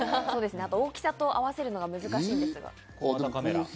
あと、大きさを合わせるのが難しいです。